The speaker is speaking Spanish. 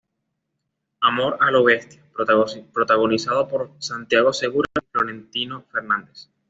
Amor a lo bestia", protagonizado por Santiago Segura y Florentino Fernández.